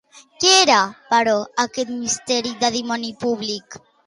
Què era, però, aquest misteri de domini públic?